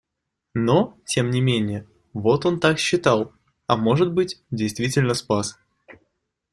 Но, тем не менее, вот он так считал, а может быть, действительно спас.